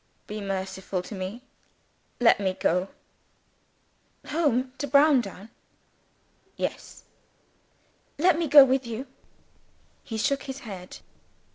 "Be merciful to me," he said. "Let me go." "Home? To Browndown?" "Yes." "Let me go with you." He shook his head.